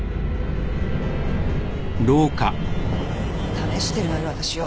試してるのよわたしを。